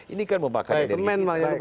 ini kan memakai energi